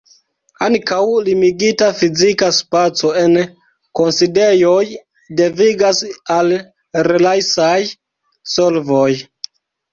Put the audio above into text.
Ankaŭ limigita fizika spaco en kunsidejoj devigas al relajsaj solvoj.